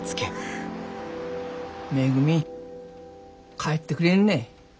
めぐみ帰ってくれんね。